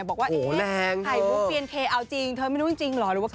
บอกว่าเฮ้ยถ่ายรูปเพลียนเคล์เอาจริงเธอไม่รู้จริงหรือกะ